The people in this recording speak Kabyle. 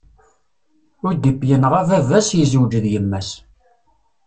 Udip yenɣa baba-s, yezwej d yemma-s.